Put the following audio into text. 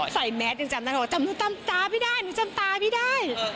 ใส่แมสยังจำตาจำตาพี่ได้หนูจำตาพี่ได้